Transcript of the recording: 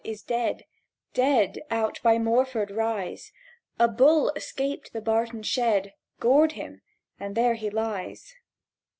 —is dead— Dead, out by Moreford Rise; A bull escaped the barton shed, Gored him, and there he lies!"